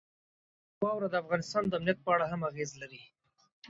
واوره د افغانستان د امنیت په اړه هم اغېز لري.